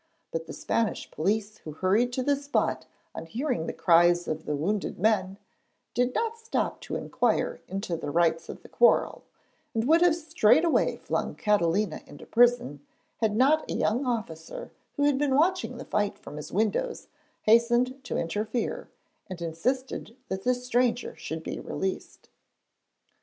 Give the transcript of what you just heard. But the Spanish police who hurried to the spot on hearing the cries of the wounded men, did not stop to inquire into the rights of the quarrel, and would have straightway flung Catalina into prison, had not a young officer who had been watching the fight from his windows hastened to interfere, and insisted that the stranger should be released.